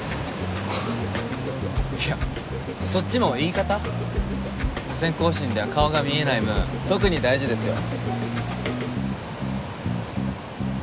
いやそっちも言い方無線交信では顔が見えない分特に大事ですよ。